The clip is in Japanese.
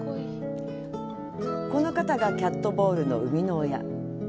この方がキャットボウルの生みの親。